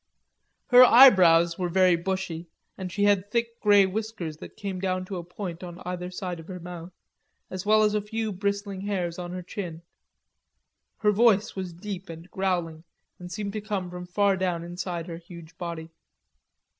Her eyebrows were very bushy, and she had thick grey whiskers that came down to a point on either side of her mouth, as well as a few bristling hairs on her chin. Her voice was deep and growling, and seemed to come from far down inside her huge body.